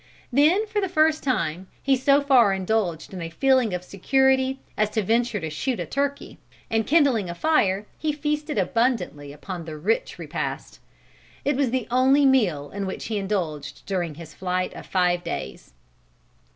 Then for the first time he so far indulged in a feeling of security as to venture to shoot a turkey, and kindling a fire he feasted abundantly upon the rich repast. It was the only meal in which he indulged during his flight of five days.